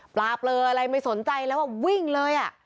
ปลาเปลืออะไรไม่สนใจแล้ววิ่งเลย